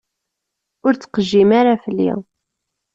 Ur ttqejjim ara fell-i.